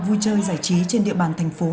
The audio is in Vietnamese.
vui chơi giải trí trên địa bàn thành phố